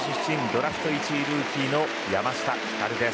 ドラフト１位ルーキーの山下輝。